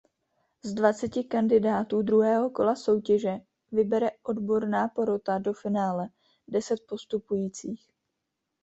Z dvaceti kandidátů druhého kola soutěže vybere odborná porota do finále deset postupujících.